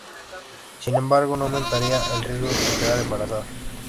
Sin embargo, no aumentaría el riesgo de quedar embarazada.